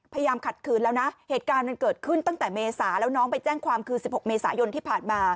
ขัดขืนแล้วนะเหตุการณ์มันเกิดขึ้นตั้งแต่เมษาแล้วน้องไปแจ้งความคือ๑๖เมษายนที่ผ่านมา